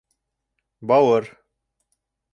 Бауыр